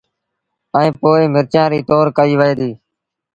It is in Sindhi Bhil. ائيٚݩ پو مرچآݩ ريٚ تور ڪئيٚ وهي ديٚ